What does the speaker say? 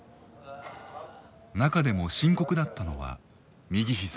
中でも深刻だったのは右膝。